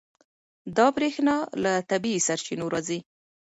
دا برېښنا له طبیعي سرچینو راځي.